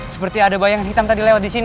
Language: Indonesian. sepertinya ada bayangan hitam tadi lewat disini